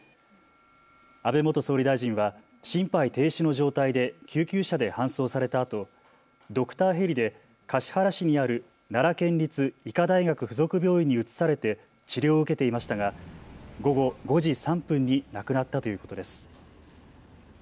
安倍元総理大臣は心肺停止の状態で救急車で搬送されたあとドクターヘリで橿原市にある奈良県立医科大学附属病院に移されて治療を受けていましたが午後５時３分に亡くなったということです。